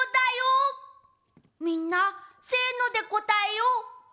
みんなせのでこたえよう。